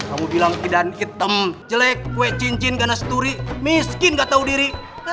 kamu bilang tidak hitam jelek kue cincin ganas turi miskin gak tahu diri